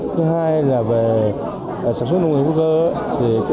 thứ hai là về sản xuất nông nghiệp hữu cơ